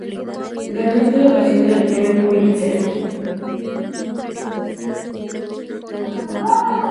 Ganó en tres ocasiones el Premio Pulitzer.